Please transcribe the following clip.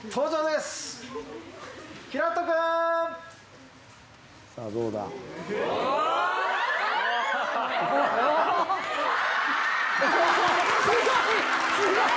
すごい！